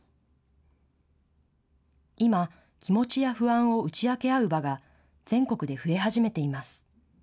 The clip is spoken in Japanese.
今、気持ちや不安を打ち明け合う場が全国で増え始めています。